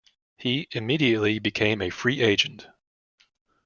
He immediately became a free agent.